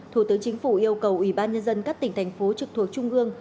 thủ tướng chính phủ yêu cầu ủy ban nhân dân các tỉnh thành phố trực thuộc trung ương